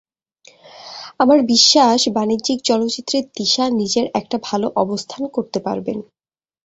আমার বিশ্বাস, বাণিজ্যিক চলচ্চিত্রে তিশা নিজের একটা ভালো অবস্থান করতে পারবেন।